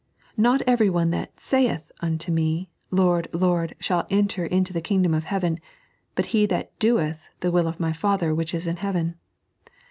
"Not every one that aaith unto me, Lord, Lord, shall enter into the Kingdom of heaven, but he that doelh the will of My Father which is in heaven."